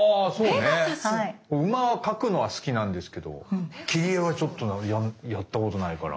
馬描くのは好きなんですけど切り絵はちょっとやったことないから。